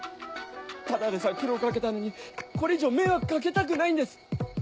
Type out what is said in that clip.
ただでさえ苦労掛けたのにこれ以上迷惑掛けたくないんです